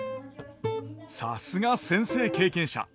さすが先生経験者。